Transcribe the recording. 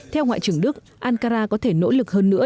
theo ngoại trưởng đức ankara có thể nỗ lực hơn nữa